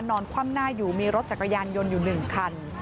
คว่ำหน้าอยู่มีรถจักรยานยนต์อยู่๑คัน